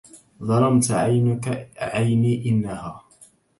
ظلمت عينك عيني إنها